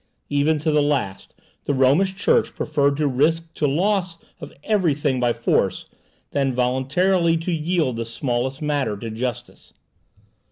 Even to the last, the Romish Church preferred to risk to loss of every thing by force, than voluntarily to yield the smallest matter to justice.